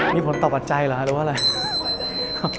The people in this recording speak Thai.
มีผลต่อใจหรืออะไร